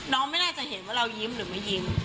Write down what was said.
ไม่น่าจะเห็นว่าเรายิ้มหรือไม่ยิ้ม